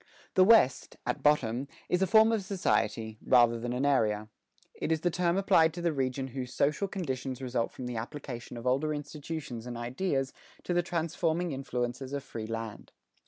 The West, at bottom, is a form of society, rather than an area. It is the term applied to the region whose social conditions result from the application of older institutions and ideas to the transforming influences of free land.